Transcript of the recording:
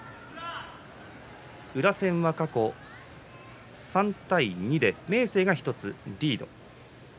宇良戦は過去３対２で明生が１つリード。